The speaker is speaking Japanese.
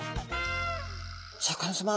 シャーク香音さま